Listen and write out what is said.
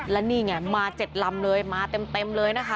แล้วนี่นี่มาเจ็ดลำเลยมาเต็มเลยนะคะ